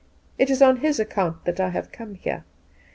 It is on his account that I have come here.